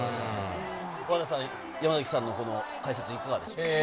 大畑さん、山崎さんの解説いかがですか？